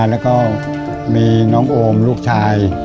แล้วก็มีน้องโอมลูกชาย